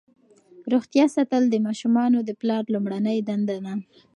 روغتیا ساتل د ماشومانو د پلار لومړنۍ دنده ده.